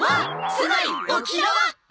つまり沖縄！